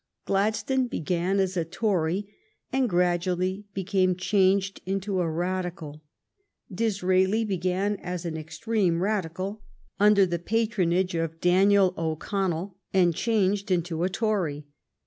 Gladstone began as a Tory, and gradually became changed into a Radical. Disraeli began as an extreme Radical under the patronage of Daniel O'Connell, and changed into a Tory.